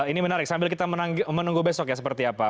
ini menarik sambil kita menunggu besok ya seperti apa